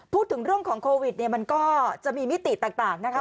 พูดถึงเรื่องของโควิดเนี่ยมันก็จะมีมิติต่างนะคะ